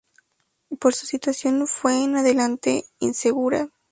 Pero su situación fue en adelante insegura.